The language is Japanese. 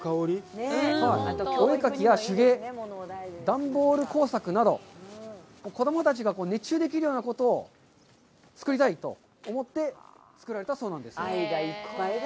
お絵描きや手芸、段ボール工作など、子供たちが熱中できるようなことを作りたいと思って、作られたそうなんです。